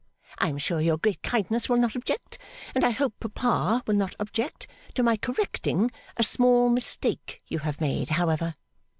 I am sure your great kindness will not object, and I hope papa will not object, to my correcting a small mistake you have made, however.